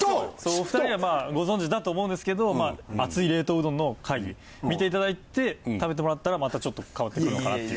お二人はまあご存じだと思うんですけど熱い冷凍うどんの会議見ていただいて食べてもらったらまたちょっと変わってくるのかなっていう。